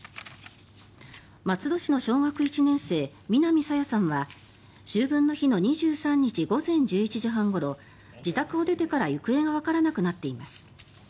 松戸市の小学１年生南朝芽さんは秋分の日の２３日午前１１時半ごろ自宅を出てから行方がわからなくなっています。